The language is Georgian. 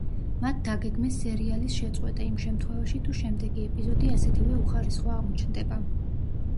მათ დაგეგმეს სერიალის შეწყვეტა იმ შემთხვევაში, თუ შემდეგი ეპიზოდი ასეთივე უხარისხო აღმოჩნდება.